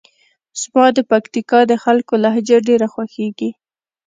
زما د پکتیکا د خلکو لهجه ډېره خوښیږي.